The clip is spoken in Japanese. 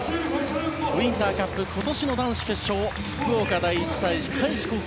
ウインターカップ今年の男子決勝福岡第一対開志国際。